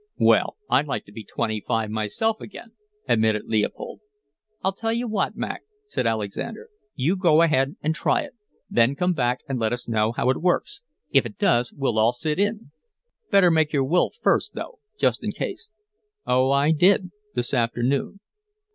"Well, I'd like to be twenty five myself again," admitted Leopold. "I'll tell you what, Mac," said Alexander. "You go ahead and try it; then come back and let us know how it works. If it does, we'll all sit in." "Better make your will first, though, just in case." "Oh, I did. This afternoon."